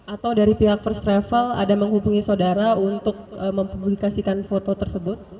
atau dari pihak first travel ada menghubungi saudara untuk mempublikasikan foto tersebut